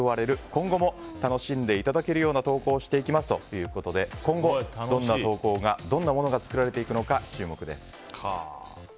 今後も楽しんでいただけるような投稿をしていきますということで今後、どんなものが作られていくのか注目です。